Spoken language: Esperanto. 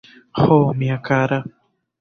Ho, mia kara!